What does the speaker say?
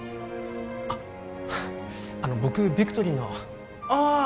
あの僕ビクトリーのああ！